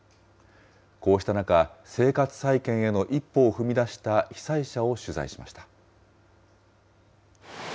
こうした中、生活再建への一歩を踏み出した被災者を取材しました。